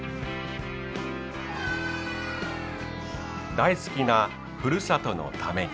大好きなふるさとのために。